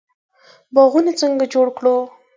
باغونه څنګه جوړ کړو؟